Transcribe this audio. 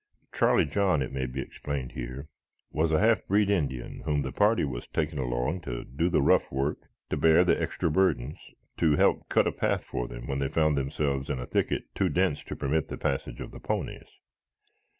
Charlie John, it may be explained here, was a half breed Indian whom the party was taking along to do the rough work, to bear the extra burdens, to help cut a path for them when they found themselves in a thicket too dense to permit the passage of the ponies.